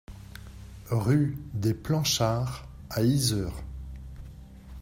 Rue des Planchards à Yzeure